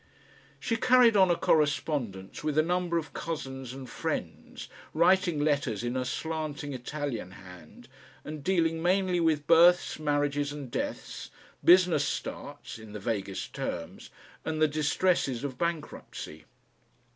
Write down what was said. She carried on a correspondence with a number of cousins and friends, writing letters in a slanting Italian hand and dealing mainly with births, marriages and deaths, business starts (in the vaguest terms) and the distresses of bankruptcy.